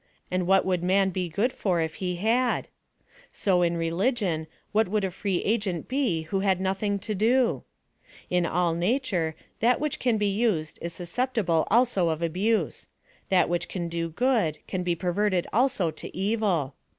And what would man be goC'l for if he had ? So in religion, what would a free agent be who had nothing to do ? In all nature, that which can be used is susceptible also of abuse; that which can do good can be perverted also to evil.